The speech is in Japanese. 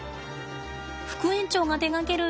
副園長が手がける擬